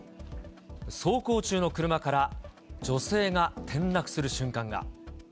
走行中の車から、女性が転落する瞬間が。